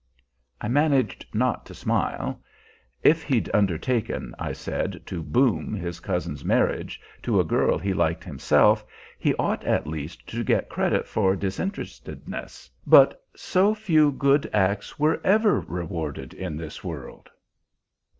I managed not to smile. If he'd undertaken, I said, to "boom" his cousin's marriage to a girl he liked himself, he ought at least to get credit for disinterestedness; but so few good acts were ever rewarded in this world!